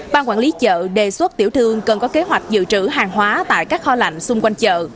ban quản lý chợ đề xuất tiểu thương cần có kế hoạch dự trữ hàng hóa tại các kho lạnh xung quanh chợ